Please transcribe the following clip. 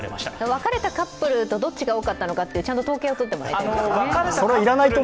別れたカップルとどっちが多かったのかという、ちゃんと統計は取ってもらわないと。